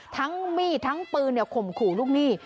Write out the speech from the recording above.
ทั้งมีดทั้งปืนข่มขู่ลูกหนี้